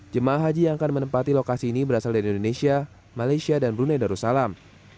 jemaah haji yang akan menempati lokasi ini berasal dari indonesia malaysia dan brunei darussalam